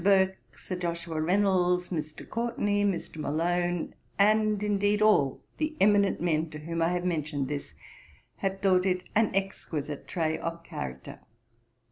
Burke, Sir Joshua Reynolds, Mr. Courtenay, Mr. Malone, and, indeed, all the eminent men to whom I have mentioned this, have thought it an exquisite trait of character.